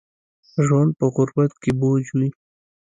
ژوند په غربت کې بوج وي